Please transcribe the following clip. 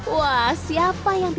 wah siapa yang pilih